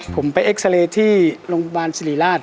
ผมไปเอ็กซาเรย์ที่โรงพยาบาลสิริราช